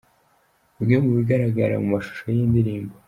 Bimwe mu bigaragara mu mashusho y'iyi ndirimbo.